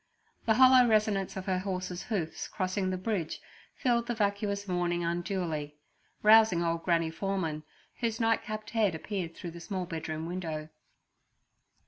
The hollow resonance of her horse's hoofs crossing the bridge filled the vacuous morning unduly, rousing old Granny Foreman, whose nightcapped head appeared through the small bedroom window.